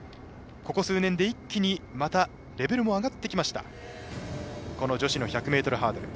ここ数年で一気にまたレベルも上げてきたこの女子の１００ｍハードル。